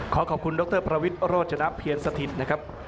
ขอขอบคุณดรประวิทย์โรจนเพียรสถิตนะครับ